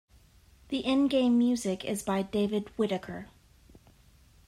The in-game music is by David Whittaker.